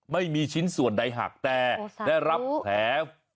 ไม่มีชิ้นส่วนใดหักแต่ได้รับแผล